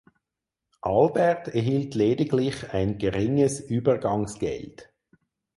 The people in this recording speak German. Albert erhielt lediglich ein geringes Übergangsgeld.